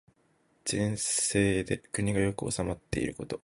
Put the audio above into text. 善政で国が良く治まっていること。